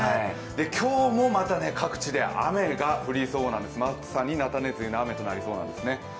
今日もまた各地で雨が降りそうなんです、まさに菜種梅雨の雨となりそうなんですね。